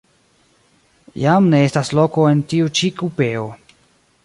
Jam ne estas loko en tiu ĉi kupeo.